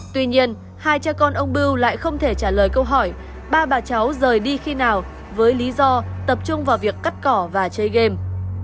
tuy nhiên hai cha con ông bưu lại không thể trả lời câu hỏi ba bà cháu rời đi khi nào với lý do tập trung vào việc cắt cỏ và chơi game